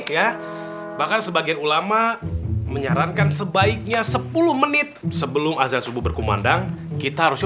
ya bahkan sebagian ulama menyarankan sebaiknya sepuluh menit sebelum azan subuh berkumandang kita harusnya